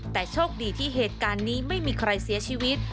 แต่โชคดีที่เหตุการณ์นี้ไม่มีใครเสียชีวิต